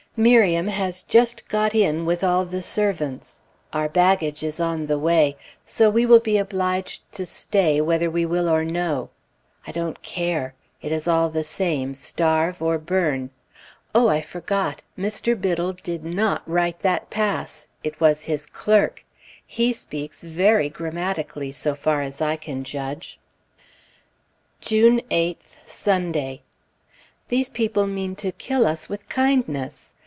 Miriam has just got in with all the servants, our baggage is on the way, so we will be obliged to stay whether we will or no. I don't care; it is all the same, starve or burn. Oh! I forgot. Mr. Biddle did not write that pass! It was his clerk. He speaks very grammatically, so far as I can judge!! June 8th, Sunday. These people mean to kill us with kindness.